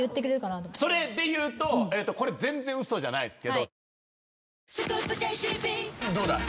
それでいうとこれ全然嘘じゃないですけど。